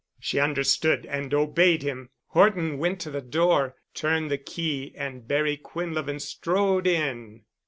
She understood and obeyed him. Horton went to the door, turned the key and Barry Quinlevin strode in.